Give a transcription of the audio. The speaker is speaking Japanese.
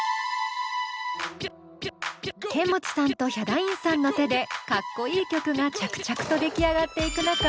ケンモチさんとヒャダインさんの手でかっこいい曲が着々と出来上がっていく中